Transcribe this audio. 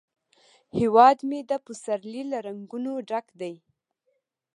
هیواد مې د پسرلي له رنګونو ډک دی